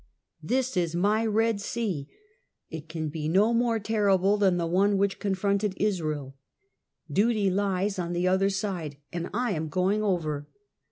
This is my Red Sea. It can be no more terrible than the one which confronted Israel. Duty lies on the other side, and I am going over!